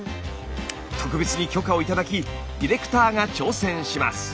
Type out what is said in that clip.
特別に許可を頂きディレクターが挑戦します。